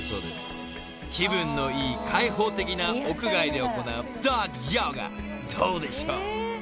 ［気分のいい開放的な屋外で行うドッグヨガどうでしょう？］